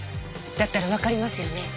だったらわかりますよね？